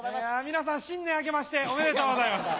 皆さん新年あけましておめでとうございます。